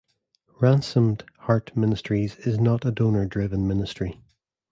Ransomed Heart Ministries is not a donor-driven ministry.